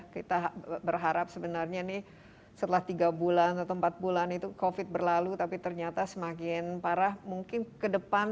kita berharap sebenarnya ini setelah tiga bulan atau empat bulan itu covid berlalu tapi ternyata semakin parah mungkin ke depan